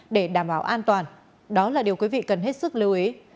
để đảm bảo an toàn đó là điều quý vị cần hết sức lưu ý